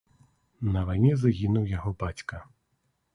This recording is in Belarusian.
На вайне загінуў яго бацька.